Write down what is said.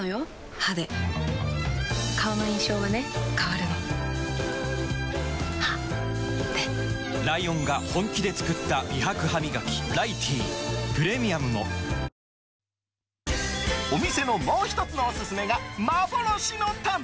歯で顔の印象はね変わるの歯でライオンが本気で作った美白ハミガキ「ライティー」プレミアムもお店のもう１つのオススメが幻のタン。